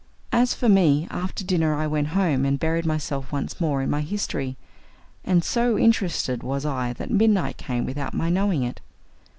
As for me, after dinner I went home and buried myself once more in my history, and so interested was I that midnight came without my knowing it.